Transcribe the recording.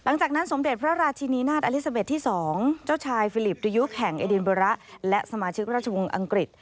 หลังจากนั้นสมเด็จพระราชินีนาฏอลิซาเบสที่๒เจ้าชายฟิลิปดียุคแห่งเอดินโบระและสมาชิกราชวงศ์อังกฤษ